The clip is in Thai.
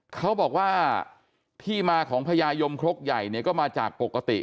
เขาบอกว่าที่มาของพญายมครกใหญ่เนี่ยก็มาจากปกติ